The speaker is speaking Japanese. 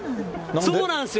そうなんですよ。